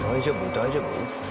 大丈夫？